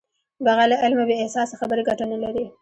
بغیر له علمه بې اساسه خبرې ګټه نلري.